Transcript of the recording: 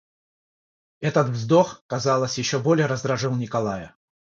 Этот вздох, казалось, еще более раздражил Николая.